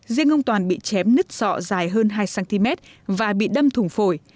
riêng ông toàn bị chém nứt sọ dài hơn hai cm và bị đâm thủng phổi